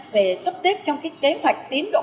về sắp xếp trong cái kế hoạch tín độ